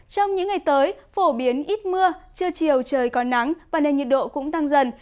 trong những ngày tới phổ biến ít mưa trưa chiều trời có nắng và nên nhiệt độ cũng tăng dần